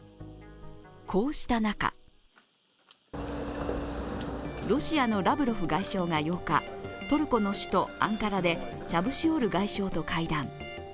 こうした中、ロシアのラブロフ外相が８日トルコの首都アンカラでチャブシオール外相と会談。